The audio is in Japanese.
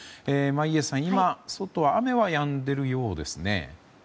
眞家さん、今、外は雨はやんでいるようですね。